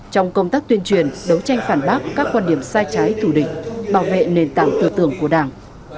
trong công tác tuyên truyền đấu tranh phản bác các quan điểm sai trái thủ địch bảo vệ nền tảng tư tưởng của đảng